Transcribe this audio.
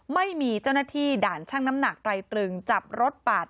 ไม่มีเจ้าหน้าที่ด่านช่างน้ำหนักไตรตรึงจับรถปาด